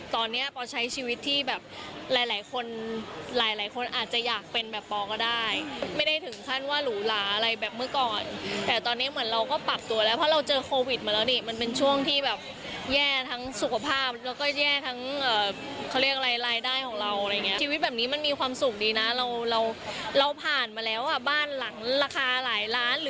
ตอนนี้ปอใช้ชีวิตที่แบบหลายหลายคนหลายหลายคนอาจจะอยากเป็นแบบปอก็ได้ไม่ได้ถึงขั้นว่าหรูหลาอะไรแบบเมื่อก่อนแต่ตอนนี้เหมือนเราก็ปรับตัวแล้วเพราะเราเจอโควิดมาแล้วนี่มันเป็นช่วงที่แบบแย่ทั้งสุขภาพแล้วก็แย่ทั้งเขาเรียกอะไรรายได้ของเราอะไรอย่างเงี้ชีวิตแบบนี้มันมีความสุขดีนะเราเราผ่านมาแล้วอ่ะบ้านหลังราคาหลายล้านหรือ